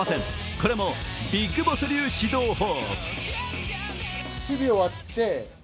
これもビッグボス流指導法。